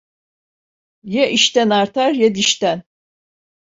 Ya işten artar, ya dişten…